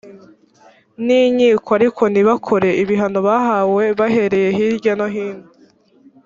n inkiko ariko ntibakore ibihano bahawe baherereye hirya no hino